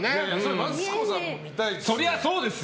マツコさんも見たいですよ。